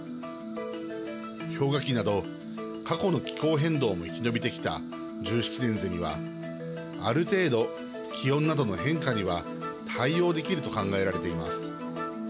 氷河期など、過去の気候変動も生き延びてきた１７年ゼミはある程度、気温などの変化には対応できると考えられています。